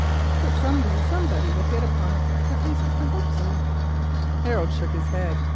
But some day somebody will hit upon it—at least I hope so." Harold shook his head.